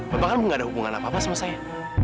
bapak kan gak ada hubungan apa apa sama saya